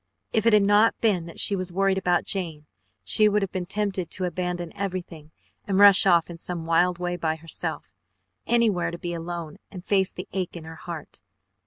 If it had not been that she was worried about Jane, she would have been tempted to abandon everything and rush off in some wild way by herself, anywhere to be alone and face the ache in her heart.